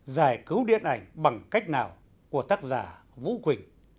giải cứu điện ảnh bằng cách nào của tác giả vũ quỳnh